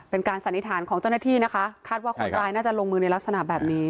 สันนิษฐานของเจ้าหน้าที่นะคะคาดว่าคนร้ายน่าจะลงมือในลักษณะแบบนี้